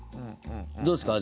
どうですか？